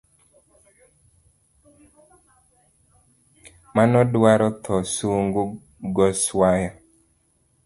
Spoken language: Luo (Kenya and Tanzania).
Mano dwaro tho sungu goswayo